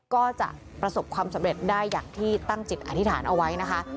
ก็จะประสบความสำเร็จได้อย่างที่ตั้งจิตอธิษฐานเอาไว้นะคะ